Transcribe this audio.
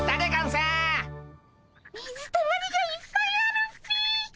水たまりがいっぱいあるっ